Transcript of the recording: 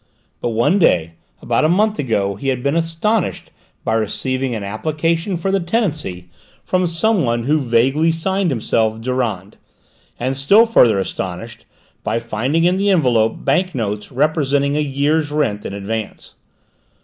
But one day, about a month ago, he had been astonished by receiving an application for the tenancy from someone who vaguely signed himself Durand; and still further astonished by finding in the envelope bank notes representing a year's rent in advance.